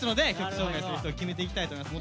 紹介する人を決めていきたいと思います。